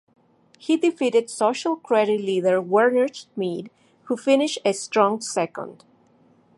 He defeated Social Credit leader Werner Schmidt who finished a strong second.